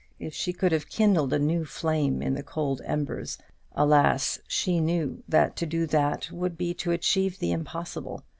if she could have kindled a new flame in the cold embers! Alas! she knew that to do that would be to achieve the impossible.